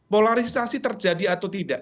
polarisasi terjadi atau tidak